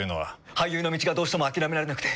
俳優の道がどうしても諦められなくて。